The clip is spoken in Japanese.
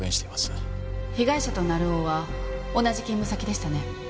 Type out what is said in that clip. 被害者と成尾は同じ勤務先でしたね。